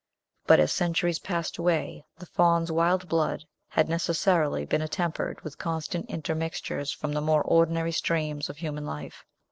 But, as centuries passed away, the Faun's wild blood had necessarily been attempered with constant intermixtures from the more ordinary streams of human life.